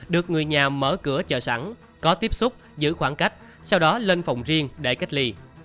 được người nhà mở cửa chợ sẵn có tiếp xúc giữ khoảng cách sau đó lên phòng riêng để cách ly